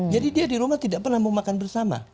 jadi dia di rumah tidak pernah memakan bersama